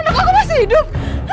anak aku masih hidup